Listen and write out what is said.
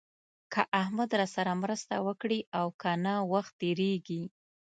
که احمد راسره مرسته وکړي او که نه وخت تېرېږي.